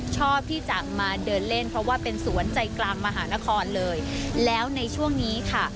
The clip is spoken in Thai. ชอบที่จะมาเดินเล่นเพราะว่าเป็นสวนใจกลางมหานครเลยแล้วในช่วงนี้ค่ะ